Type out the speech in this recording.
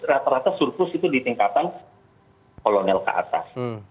rata rata surplus itu di tingkatan kolonel ke atas